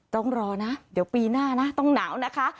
ต้องรอนะเดี๋ยวปีหน้านะต้องหนาวนะคะ